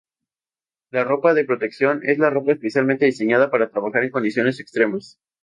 La ropa de protección es ropa especialmente diseñada para trabajar en condiciones extremas.